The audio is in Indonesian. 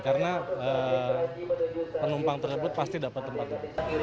karena penumpang tersebut pasti dapat tempatnya